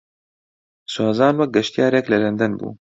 سۆزان وەک گەشتیارێک لە لەندەن بوو.